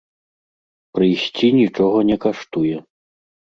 Прыйсці нічога не каштуе.